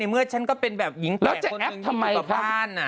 เมื่อฉันก็เป็นแบบหญิงแก่คนอยู่ตรงบ้าน